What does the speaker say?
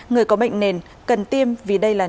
người có bệnh nền cần tiêm vì đây là